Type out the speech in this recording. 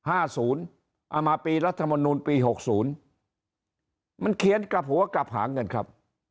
เอามาปีรัฐมนูลปี๖๐มันเขียนกลับหัวกลับหาเงินครับ